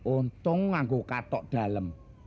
untung aku katok dalem